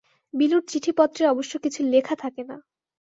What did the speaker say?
বিলুর চিঠিপত্রে অবশ্য কিছু লেখা থাকে না।